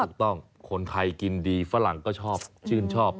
ถูกต้องคนไทยกินดีฝรั่งก็ชอบชื่นชอบ